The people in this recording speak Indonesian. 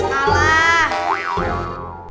perubahan bentuk ustad